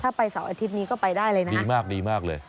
ถ้าไปเสาร์อาทิตย์นี้ก็ไปได้เลยนะดีมากดีมากเลย